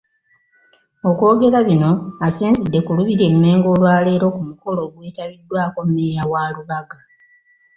Okwogera bino, asinzidde ku Lubiri e Mmengo olwaleero ku mukolo ogwetabiddwako Mmeeya wa Lubaga.